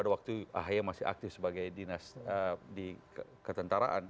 waktu ahaye masih aktif sebagai dinas di ketentaraan